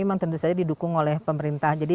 memang tentu saja didukung oleh pemerintah jadi